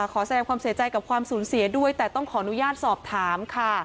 แสดงความเสียใจกับความสูญเสียด้วยแต่ต้องขออนุญาตสอบถามค่ะ